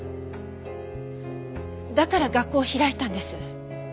だから学校を開いたんです。